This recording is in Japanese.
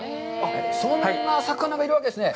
そんな魚がいるわけですね。